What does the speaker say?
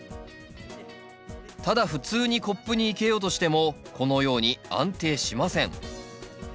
ただ普通にコップに生けようとしてもこのように安定しません。